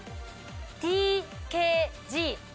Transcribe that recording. ＴＫＧ。